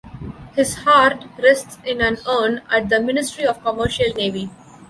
His heart rests in an urn at the Ministry of Commercial Navy.